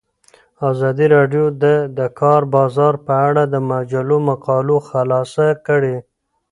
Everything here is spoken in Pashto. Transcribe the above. ازادي راډیو د د کار بازار په اړه د مجلو مقالو خلاصه کړې.